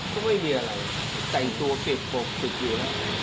ก็ไม่มีอะไรแต่งตัวผิดปลูกผิดเหยียว